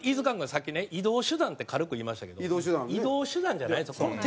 君さっきね「移動手段」って軽く言いましたけど移動手段じゃないですよ。